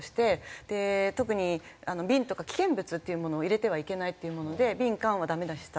で特に瓶とか危険物っていうものを入れてはいけないっていうもので瓶缶はダメでした。